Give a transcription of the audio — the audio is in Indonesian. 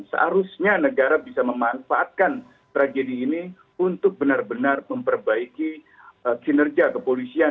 seharusnya negara bisa memanfaatkan tragedi ini untuk benar benar memperbaiki kinerja kepolisian